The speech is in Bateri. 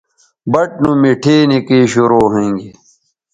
بَٹ نو مٹھے نکئ شروع ھویں گے